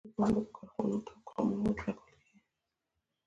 دا پانګه په کارخانو او خامو موادو لګول کېږي